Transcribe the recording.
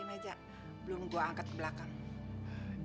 ini aja belum gua angkat ke belakang